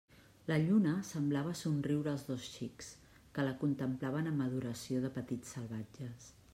La lluna semblava somriure als dos xics, que la contemplaven amb adoració de petits salvatges.